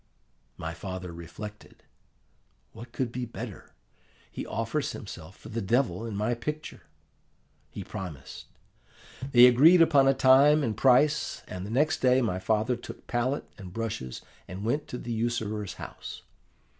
"My father reflected, 'What could be better! he offers himself for the Devil in my picture.' He promised. They agreed upon a time and price; and the next day my father took palette and brushes and went to the usurer's house.